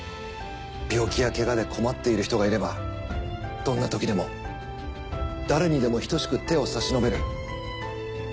病気やケガで困っている人がいればどんなときでも誰にでも等しく手を差し伸べる。